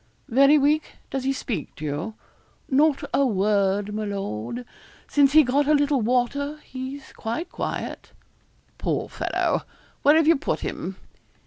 'Very weak? Does he speak to you?' 'Not a word, my lord. Since he got a little water he's quite quiet.' 'Poor fellow. Where have you put him?'